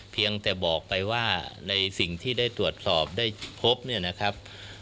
เพียงแต่บอกไปว่าในสิ่งที่ได้ตรวจสอบได้พบเนี่ยนะครับ